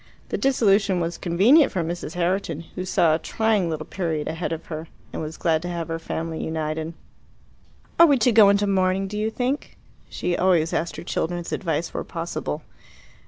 The disillusion was convenient for Mrs. Herriton, who saw a trying little period ahead of her, and was glad to have her family united. "Are we to go into mourning, do you think?" She always asked her children's advice where possible.